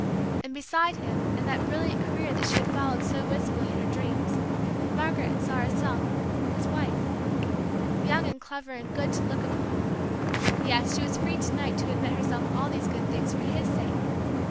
And beside him in that brilliant career that she had followed so wistfully in her dreams, Margaret saw herself, his wife. Young and clever and good to look upon, yes, she was free to night to admit herself all these good things for his sake!